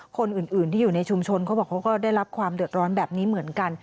คนอื่นที่อยู่ในชุมชนเขาบอกเขาก็ได้รับความเดือดร้อนแบบนี้เหมือนกัน